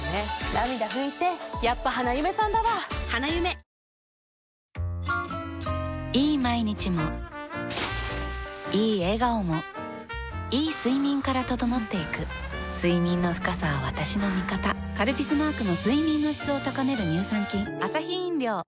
缶コーヒーの「ＢＯＳＳ」いい毎日もいい笑顔もいい睡眠から整っていく睡眠の深さは私の味方「カルピス」マークの睡眠の質を高める乳酸菌